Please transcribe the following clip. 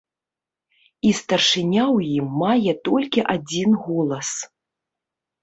І старшыня ў ім мае толькі адзін голас.